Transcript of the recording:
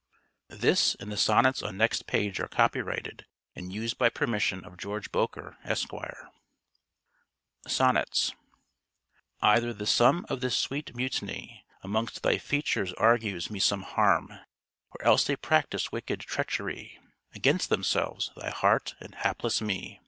This and the sonnets on next page are copyrighted, and used by permission of George Boker, Esq. SONNETS Either the sum of this sweet mutiny Amongst thy features argues me some harm, Or else they practice wicked treachery Against themselves, thy heart, and hapless me.